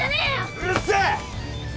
うるせえ！